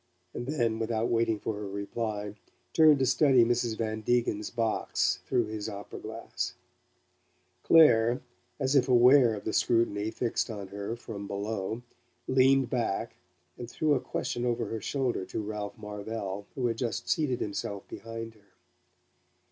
and then, without waiting for her reply, turned to study Mrs. Van Degen's box through his opera glass. Clare, as if aware of the scrutiny fixed on her from below leaned back and threw a question over her shoulder to Ralph Marvell, who had just seated himself behind her.